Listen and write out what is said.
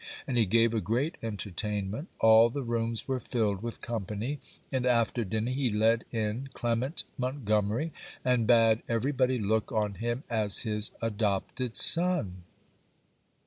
And he gave a great entertainment; all the rooms were filled with company; and after dinner he led in Clement Montgomery, and bade every body look on him as his adopted son.